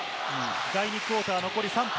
第２クオーター、残り３分。